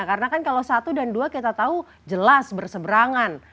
karena kan kalau satu dan dua kita tahu jelas berseberangan